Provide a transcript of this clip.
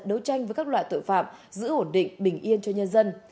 đấu tranh với các loại tội phạm giữ ổn định bình yên cho nhân dân